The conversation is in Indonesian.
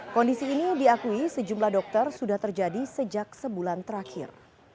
kondisi ini diakui sejumlah dokter sudah terjadi sejak sebulan terakhir